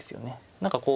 何かこう